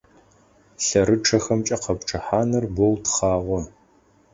ЛъэрычъэхэмкӀэ къэпчъыхьаныр боу тхъагъо.